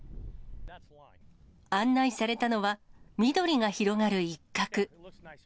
案内されたのは、緑が広がる一角。